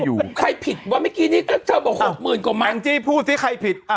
อยู่ใครผิดว่าเมื่อกี้นี้ก็เธอบอกหกหมื่นกว่ามัดแองจี้พูดที่ใครผิดอ่ะ